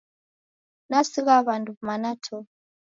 Nasigha w'andu mana to!